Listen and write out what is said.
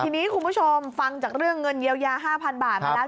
ทีนี้คุณผู้ชมฟังจากเรื่องเงินเยียวยา๕๐๐๐บาทมาแล้ว